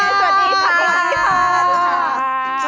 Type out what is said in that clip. สวัสดีค่ะ